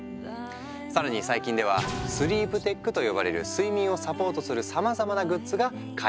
更に最近ではスリープテックと呼ばれる睡眠をサポートするさまざまなグッズが開発されている。